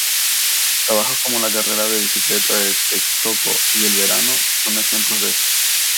Trabajos como "La Carrera de Bicicleta", "Texcoco" y "El Verano" son ejemplos de esto.